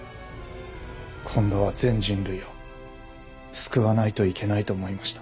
今度は全人類を救わないといけないと思いました。